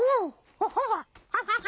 ハハハハハ。